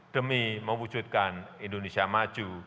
demi mewujudkan indonesia matang